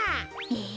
え？